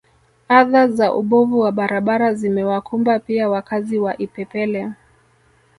Adha za ubovu wa barabara zimewakumba pia wakazi wa Ipepele